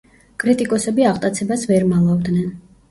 კრიტიკოსები აღტაცებას ვერ მალავდნენ.